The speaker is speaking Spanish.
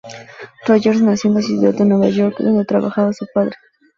Rogers nació en la ciudad de Nueva York, donde trabajaba su padre.